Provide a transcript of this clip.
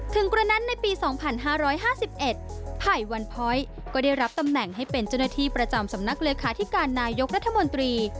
กระนั้นในปี๒๕๕๑ไผ่วันพ้อยก็ได้รับตำแหน่งให้เป็นเจ้าหน้าที่ประจำสำนักเลขาธิการนายกรัฐมนตรี